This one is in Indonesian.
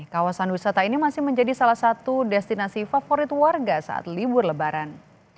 kawasan wisata ini masih menjadi salah satu destinasi favorit warga saat libur lebaran